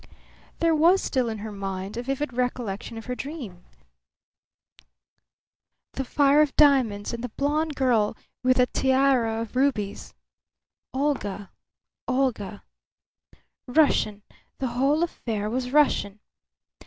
There was still in her mind a vivid recollection of her dream the fire of diamonds and the blonde girl with the tiara of rubies. Olga, Olga! Russian; the whole affair was Russian.